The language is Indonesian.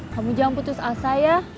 kamu jangan putus asa ya